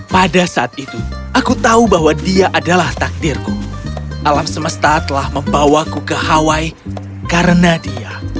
pada saat itu aku tahu bahwa dia adalah takdirku alam semesta telah membawaku ke hawaii karena dia